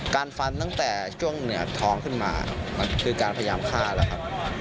การฟันตั้งแต่ช่วงเหนือท้องขึ้นมามันคือการพยายามฆ่าแล้วครับ